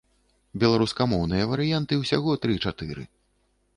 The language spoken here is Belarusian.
Беларускамоўныя варыянты усяго тры-чатыры.